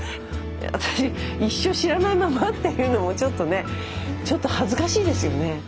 私一生知らないまま？っていうのもちょっとねちょっと恥ずかしいですよね。